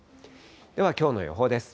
ではきょうの予報です。